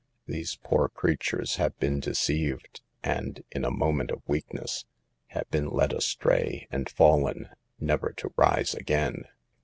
These poor creatures have been deceived and, in a moment of weakness, have been led astray and fallen never to rise again.